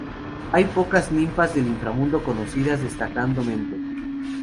Hay pocas ninfas del inframundo conocidas, destacando Mente.